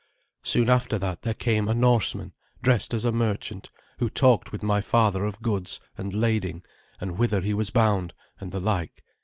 Soon after that there came a Norseman, dressed as a merchant, who talked with my father of goods, and lading, and whither he was bound, and the like.